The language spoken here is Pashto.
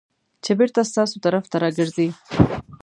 چې بېرته ستاسو طرف ته راګرځي .